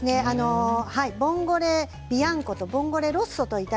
ボンゴレビアンコとボンゴレロッソというので